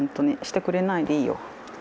してくれないでいいよ。